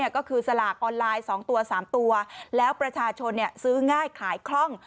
ก็คือสลากออนไลน์๒ตัว๓ตัวแล้วประชาชนซื้อง่ายขายคล่อง